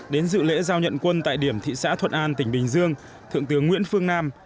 đến dự lễ giao nhận quân tại điểm thị xã thuận an tỉnh bình dương thượng tướng nguyễn phương nam